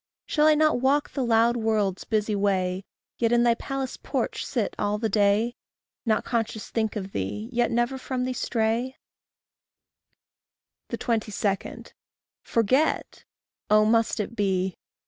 Shall I not walk the loud world's busy way, Yet in thy palace porch sit all the day? Not conscious think of thee, yet never from thee stray? 22. Forget! Oh, must it be?